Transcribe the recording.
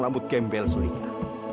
rambut gembel sulika